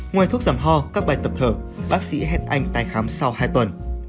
ngoài thuốc giảm ho các bài tập thở bác sĩ hẹn anh tay khám sau hai tuần